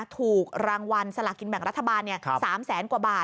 ถูกรางวัลสลากินแบ่งรัฐบาล๓แสนกว่าบาท